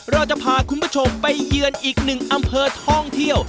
เราจะพาคุณผู้ชมไปเยือนอีกหนึ่งอำเภอท่องเที่ยว